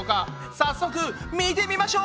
早速見てみましょう！